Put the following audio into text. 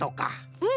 うん。